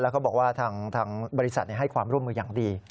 เขาบอกว่าทางบริษัทให้ความร่วมมืออย่างดี